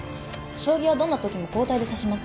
将棋はどんな時も交代で指します。